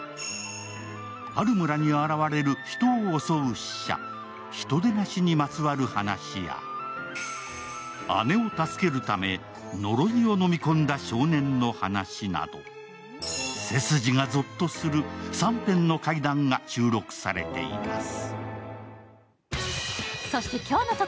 ある村に現れる人を襲う死者ひとでなしにまつわる話や姉を助けるため、呪いを飲み込んだ少年の話など、背筋がゾッとする３編の怪談が収録されています。